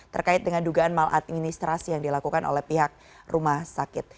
terkait dengan dugaan maladministrasi yang dilakukan oleh pihak rumah sakit